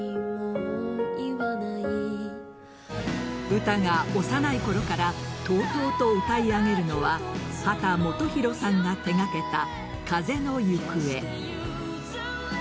ウタが幼いころからとうとうと歌い上げるのは秦基博さんが手がけた「風のゆくえ」